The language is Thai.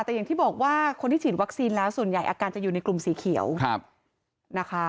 แต่อย่างที่บอกว่าคนที่ฉีดวัคซีนแล้วส่วนใหญ่อาการจะอยู่ในกลุ่มสีเขียวนะคะ